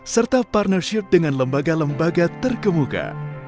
serta partnership dengan lembaga lembaga terkemuka